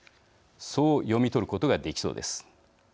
そう読み取ることができそうです。